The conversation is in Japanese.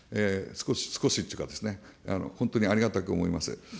少しというか、本当にありがたく思います。